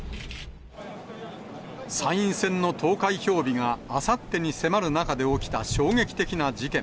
参院選の投開票日があさってに迫る中で起きた衝撃的な事件。